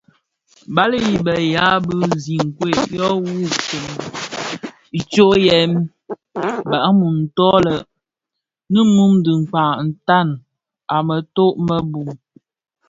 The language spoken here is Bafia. Bali i be yea bi zinkwed yo wuwubsèn tsomyè dhamum nto lè nimum dhi kpag tan a mëto më bum.